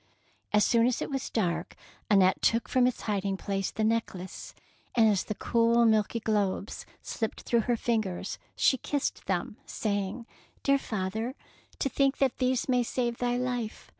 ^' As soon as it was dark, Annette took from its hiding place the neck lace, and as the cool, milky globes slipped through her fingers, she kissed them, saying, — "Dear father, to think that these may save thy life.